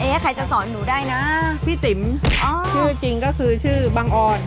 ใครจะสอนหนูได้นะพี่ติ๋มชื่อจริงก็คือชื่อบังออน